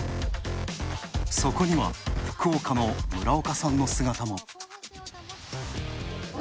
そこには、福岡の村岡さんの姿も。